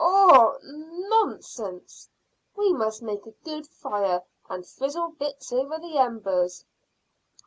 "Haw? Nonsense! We must make a good fire, and frizzle bits over the embers."